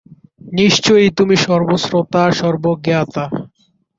নিশ্চয়ই তুমি সর্বশ্রোতা, সর্বজ্ঞাতা।